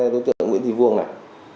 tổ chức nguyễn thị vương này